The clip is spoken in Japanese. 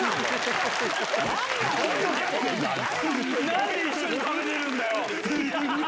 何で一緒に食べれるんだよ